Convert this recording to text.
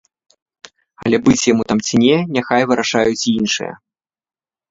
Але быць яму там ці не, няхай вырашаюць іншыя.